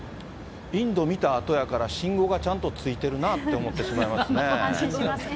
インド見たあとやから、信号がちゃんとついてるなって思ってしまいますね。